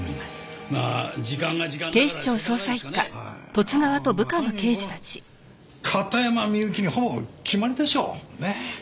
この片山みゆきにほぼ決まりでしょうねえ。